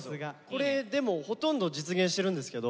これでもほとんど実現してるんですけど。